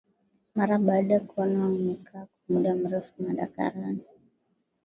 mara baada ya kuona wemekaa kwa muda mrefu madarakani